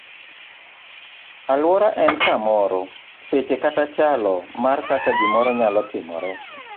Aluora en kamoro, seche kata chalo mar kaka gimoro nyalo timore.